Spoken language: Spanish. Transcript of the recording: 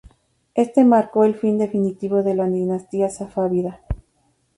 Esto marcó el fin definitivo de la dinastía safávida.